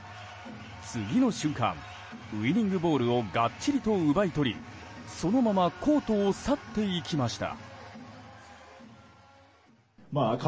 次の瞬間、ウィニングボールをがっちりと奪い取りそのままコートを去っていきました。